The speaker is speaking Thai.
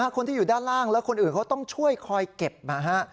คนที่อยู่ด้านล่างแล้วคนอื่นเขาต้องช่วยคอยเก็บนะฮะ